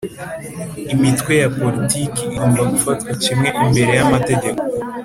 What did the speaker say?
Imitwe ya politiki igomba gufatwa kimwe imbere yamategeko